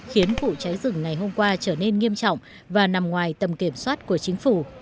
khiến vụ cháy rừng ngày hôm qua trở nên nghiêm trọng và nằm ngoài tầm kiểm soát của chính phủ